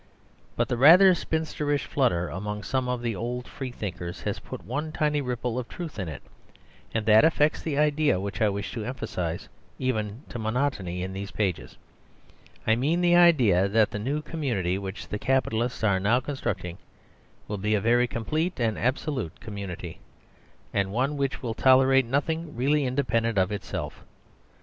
But the rather spinsterish flutter among some of the old Freethinkers has put one tiny ripple of truth in it; and that affects the idea which I wish to emphasise even to monotony in these pages. I mean the idea that the new community which the capitalists are now constructing will be a very complete and absolute community; and one which will tolerate nothing really independent of itself.